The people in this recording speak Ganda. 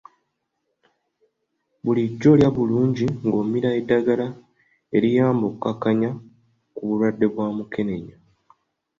Bulijjo lya bulungi ng'omira eddagala eriyamba okukakkanya ku bulwadde bwa mukenenya.